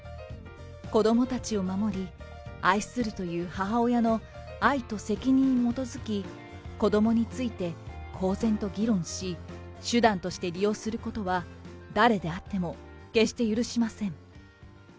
子どもたちを守り、愛するという母親の愛と責任に基づき、子どもについて公然と議論し、手段として利用することは誰であっても決して許しません。